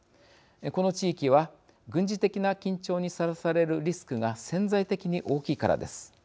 この地域は軍事的な緊張にさらされるリスクが潜在的に大きいからです。